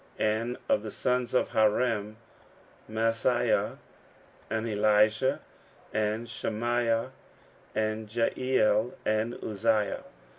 15:010:021 And of the sons of Harim; Maaseiah, and Elijah, and Shemaiah, and Jehiel, and Uzziah.